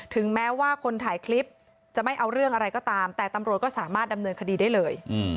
ถึงแม้ว่าคนถ่ายคลิปจะไม่เอาเรื่องอะไรก็ตามแต่ตำรวจก็สามารถดำเนินคดีได้เลย